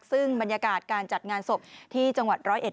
ซึ่งบรรยากาศการจัดงานศพที่จังหวัดร้อยเอ็ด